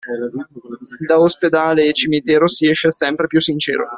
Da ospedale e cimitero si esce sempre più sincero.